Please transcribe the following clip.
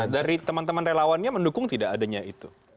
dari teman teman relawannya mendukung tidak adanya itu